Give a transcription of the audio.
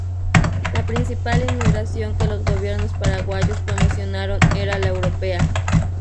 La principal inmigración que los gobiernos paraguayos promocionaron era la europea.